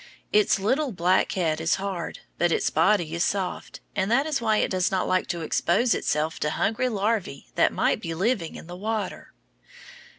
Its little black head is hard, but its body is soft, and that is why it does not like to expose itself to hungry larvæ that might be living in the water.